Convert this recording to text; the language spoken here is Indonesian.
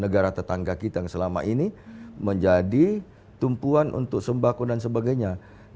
negara tetangga kita yang selama ini menjadi tumpuan untuk sembako dan sebagainya